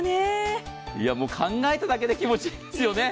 考えただけで気持ちいいですよね。